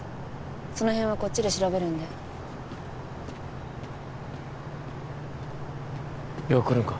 その辺はこっちで調べるんでよう来るんか？